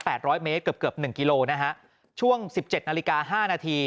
ประมาณ๘๐๐เมตรเกือบ๑กิโลนะฮะช่วง๑๗นาฬิกา๕นาที